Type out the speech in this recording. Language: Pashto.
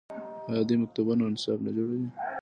آیا دوی مکتبونه او نصاب نه جوړوي؟